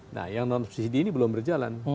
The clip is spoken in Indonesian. nah yang non subsidi ini belum berjalan